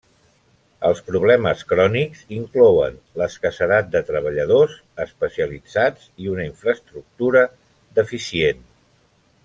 Els problemes crònics inclouen l'escassedat de treballadors especialitzats i una infraestructura deficient.